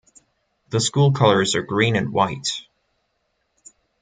The school colors are green and white.